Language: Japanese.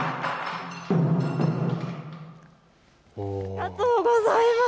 ありがとうございます。